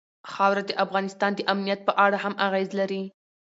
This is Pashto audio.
خاوره د افغانستان د امنیت په اړه هم اغېز لري.